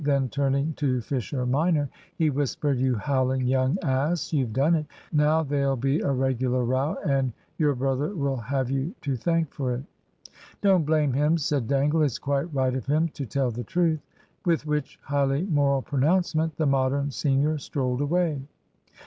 Then, turning to Fisher minor, he whispered, "you howling young ass, you've done it! Now there'll be a regular row, and your brother will have you to thank for it!" "Don't blame him," said Dangle. "It's quite right of him to tell the truth." With which highly moral pronouncement the Modern senior strolled away.